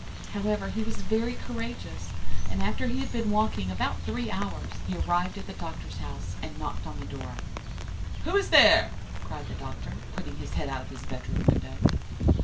However, he was very courageous, and after he had been walking about three hours, he arrived at the Doctor's house, and knocked at the door. "'Who is there?' cried the Doctor, putting his head out of his bedroom window.